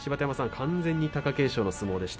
完全に貴景勝の相撲でした。